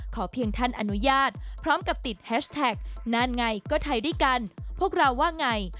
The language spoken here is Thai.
เพียงท่านอนุญาตพร้อมกับติดแฮชแท็กนั่นไงก็ไทยด้วยกันพวกเราว่าไง